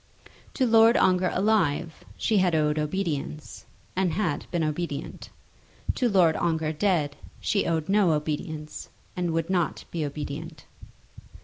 To Lord Ongar alive she had owed obedience, and had been obedient. To Lord Ongar dead she owed no obedience, and would not be obedient.